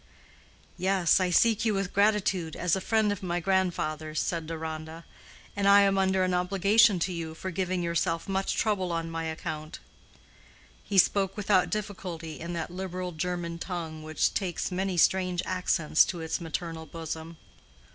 "Yes; I seek you with gratitude, as a friend of my grandfather's," said Deronda, "and I am under an obligation to you for giving yourself much trouble on my account." He spoke without difficulty in that liberal German tongue which takes many strange accents to its maternal bosom.